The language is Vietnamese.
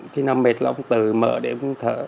khi nào mệt là ông tự mở để ông thở